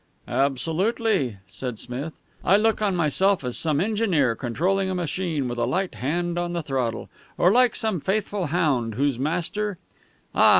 "Absolutely," said Smith. "I look on myself as some engineer controlling a machine with a light hand on the throttle. Or like some faithful hound whose master " "Ah!